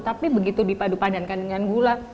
tapi begitu dipadu padankan dengan gula